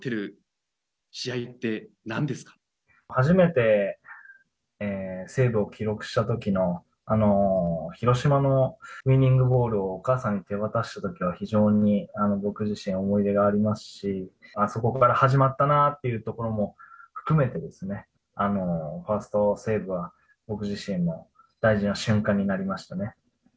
初めてセーブを記録したときの広島のウイニングボールをお母さんに手渡したときの非常に僕自身思い出がありますしそこから始まったなというところも含めてファーストセーブは僕自身も大事な瞬間になりました。